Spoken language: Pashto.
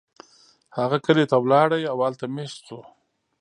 هغه کلی ته لاړ او هلته میشت شو.